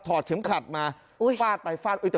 เข็มขัดมาฟาดไปฟาด